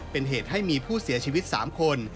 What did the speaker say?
เป็นเหตุให้มีผู้เสียชีวิต๓คน